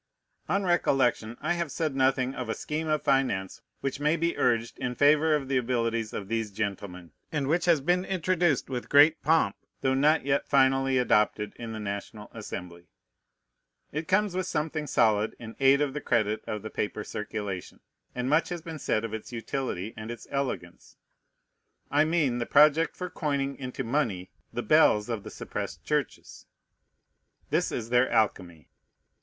On recollection, I have said nothing of a scheme of finance which may be urged in favor of the abilities of these gentlemen, and which has been introduced with great pomp, though not yet finally adopted in the National Assembly. It comes with something solid in aid of the credit of the paper circulation; and much has been said of its utility and its elegance. I mean the project for coining into money the bells of the suppressed churches. This is their alchemy.